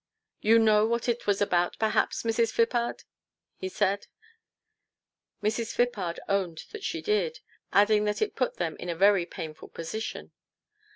" You know what it was about, perhaps, Mrs. Phippard ?" he said. Mrs. Phippard owned that she did, adding that it put them in a very painful position.